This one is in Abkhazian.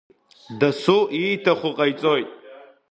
Дасу ииҭаху ҟаиҵоит.